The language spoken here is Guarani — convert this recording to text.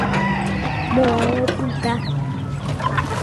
Moõ opyta.